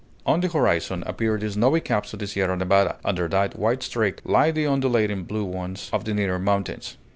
On the horizon appear the snowy caps of the Sierra Nevada; under that white streak lie the undulating blue ones of the nearer mountains.